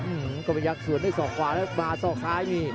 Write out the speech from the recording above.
อื้อโคมยักษ์สวนให้ศอกขวาและมาศอกซ้าย